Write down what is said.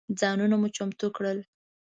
ځانونه مو چمتو کړل.